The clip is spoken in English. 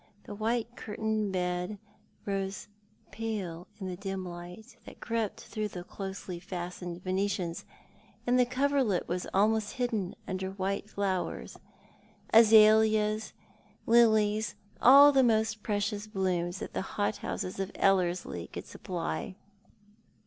The white curtained bed rose pale in the dim light that crept through closely fastened Venetians, and the coverlet was almost hidden under white flowers — azalias, lilies, all the most precious blooms that the hothouses of Ellerslie could supply.